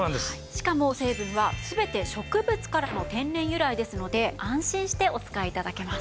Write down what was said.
しかも成分は全て植物からの天然由来ですので安心してお使い頂けます。